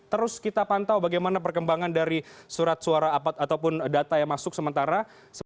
terus kita pantau bagaimana perkembangan dari surat suara ataupun data yang masuk sementara